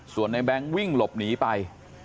ส่วนในแบงค์วิ่งหลบหนีไป